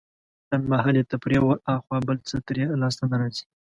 لنډمهالې تفريح وراخوا بل څه ترې لاسته نه راځي.